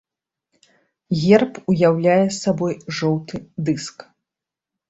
Герб уяўляе сабой жоўты дыск.